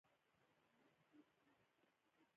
ولایتونه د خلکو له اعتقاداتو سره تړاو لري.